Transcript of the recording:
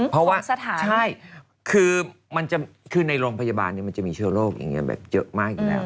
เพราะว่าคือในโรงพยาบาลมันจะมีเชื้อโรคเยอะมากอยู่แล้ว